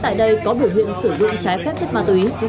tại đây có biểu hiện sử dụng trái phép chất ma túy